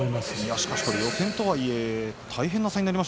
しかし予選とはいえ大変な差です。